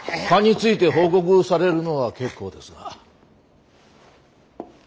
蚊について報告されるのは結構ですが！